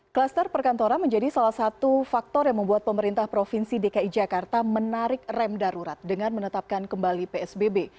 kluster perkantoran menjadi salah satu faktor yang membuat pemerintah provinsi dki jakarta menarik rem darurat dengan menetapkan kembali psbb